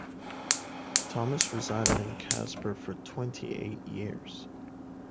Thomas resided in Casper for twenty-eight years.